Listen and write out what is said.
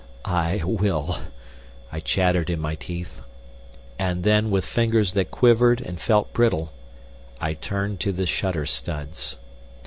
"I will," I chattered in my teeth. And then, with fingers that quivered and felt brittle, I turned to the shutter studs.